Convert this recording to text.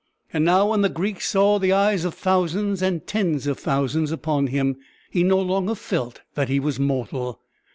And now when the Greek saw the eyes of thousands and tens of thousands upon him, he no longer felt that he was mortal.